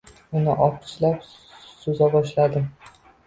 Uni opichlab, suza boshladim